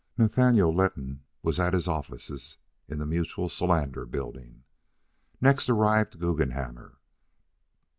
Nathaniel Letton was at his offices in the Mutual Solander Building. Next arrived Guggenhammer.